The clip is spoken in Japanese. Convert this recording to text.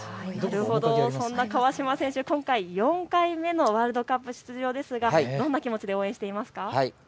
そんな川島選手、今回４回目のワールドカップ出場ですが、どんな気持ちで応援していますか。